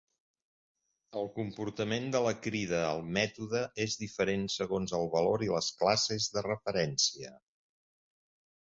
El comportament de la crida al mètode és diferent segons el valor i les classes de referència.